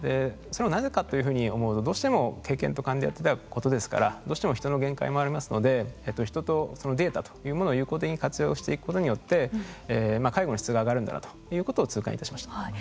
それをなぜかというふうに思うとどうしても経験と勘でやってたことですからどうしても人の限界もありますので人とデータというものを有効的に活用していくことによって介護の質が上がるんだなということを痛感いたしました。